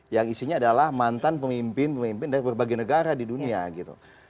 yang isinya adalah mantan pemimpin pemimpin dari berbagai negara di dunia gitu